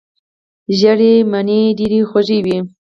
ژېړې مڼې ډېرې خوږې وي.